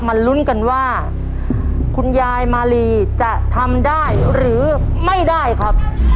ลุ้นกันว่าคุณยายมาลีจะทำได้หรือไม่ได้ครับ